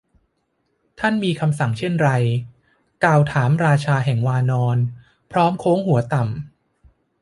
ท่านมีคำสั่งเช่นไร ? กล่าวถามราชาแห่งวานร พร้อมโค้งหัวต่ำ